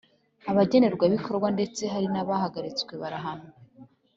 abagenerwabikorwa ndetse hari nabahagaritswe barahanwa.